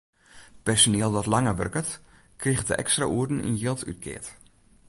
Personiel dat langer wurket, kriget de ekstra oeren yn jild útkeard.